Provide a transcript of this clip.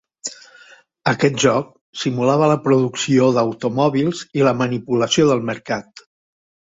Aquest joc simulava la producció d'automòbils i la manipulació del mercat.